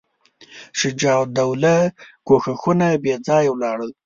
شجاع الدوله کوښښونه بېځایه ولاړل.